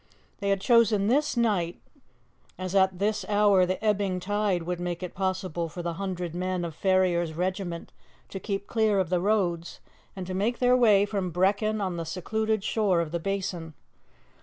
They had chosen this night, as at this hour the ebbing water would make it possible for the hundred men of Ferrier's regiment to keep clear of the roads, and to make their way from Brechin on the secluded shore of the Basin.